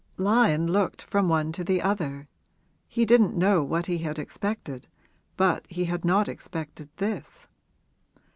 Lyon looked from one to the other; he didn't know what he had expected, but he had not expected this.